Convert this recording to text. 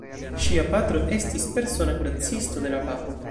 Ŝia patro estis persona kuracisto de la papo.